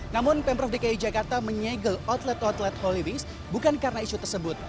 namun pemprov dki jakarta menyegel outlet outlet holy wings bukan karena isu tersebut